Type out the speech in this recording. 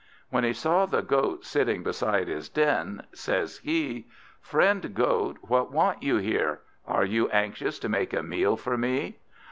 When he saw the Goat sitting beside his den, says he "Friend Goat, what want you here? Are you anxious to make a meal for me?"